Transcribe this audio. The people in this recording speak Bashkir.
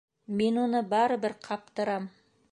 Мин уны барыбер ҡаптырам...